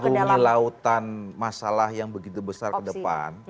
untuk mengarungi lautan masalah yang begitu besar ke depan